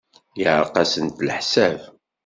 Yeɛreq-asent leḥsab.